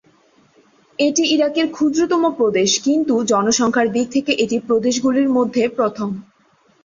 এটি ইরাকের ক্ষুদ্রতম প্রদেশ, কিন্তু জনসংখ্যার দিক থেকে এটি প্রদেশগুলির মধ্যে প্রথম।